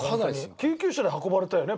救急車で運ばれたよね